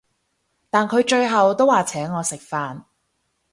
但佢最後都話請我食飯